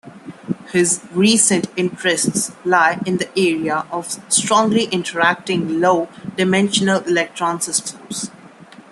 His recent interests lie in the area of strongly interacting low-dimensional electron systems.